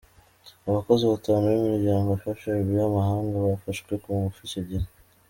Abakozi batanu b'imiryango ifasha y'amahanga bafashwe ku ngufu icyo gihe.